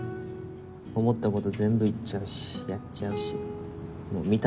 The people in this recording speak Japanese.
思った事全部言っちゃうしやっちゃうし見た